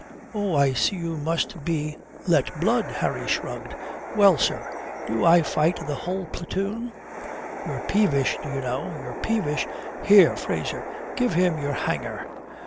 "Oh, I see you must be let blood." Harry shrugged. "Well, sir, do I fight the whole platoon?" "You're peevish, do you know, you're peevish. Here, Fraser, give him your hanger.